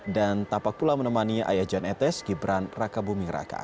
dan tapak pula menemani ayah jan etes gibran raka bumi raka